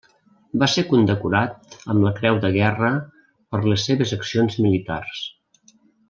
Va ser condecorat amb la Creu de Guerra per les seves accions militars.